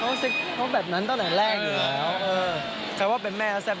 เขาเซ็กเขาแบบนั้นตั้งแต่แรกอยู่แล้ว